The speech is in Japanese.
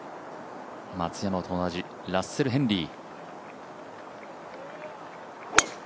松山と同じ組、ラッセル・ヘンリー。